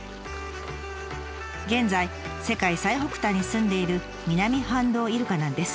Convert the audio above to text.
現在世界最北端にすんでいるミナミハンドウイルカなんです。